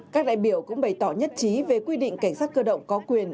các đại biểu cũng bày tỏ nhất trí về quy định cảnh sát cơ động có quyền